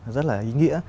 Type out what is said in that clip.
rất là ý nghĩa